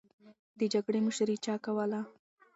د جګړې مشري چا کوله؟